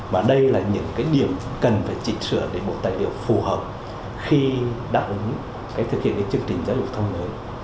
mà đây là những cái điểm cần phải chỉnh sửa để bộ tài liệu phù hợp khi đáp ứng cái thực hiện chương trình giáo dục phổ thông mới